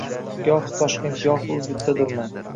Gohi Toshkent, gohi Urgutdadurman.